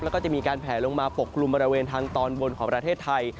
แล้วก็จะมีการแผลลงมาปกกลุ่มบริเวณทางตอนบนของประเทศไทย